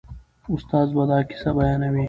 استاد به دا کیسه بیانوي.